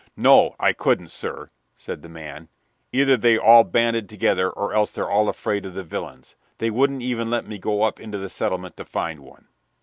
"No, I couldn't, sir," said the man. "Either they're all banded together, or else they're all afraid of the villains. They wouldn't even let me go up into the settlement to find one."